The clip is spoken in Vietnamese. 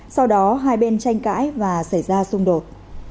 sau đó hai bên tranh cãi và xảy ra xung đột